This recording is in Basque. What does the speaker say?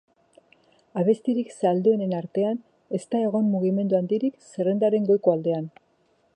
Abestirik salduenen artean, ez da egon mugimendu handirik zerrendaren goiko aldean.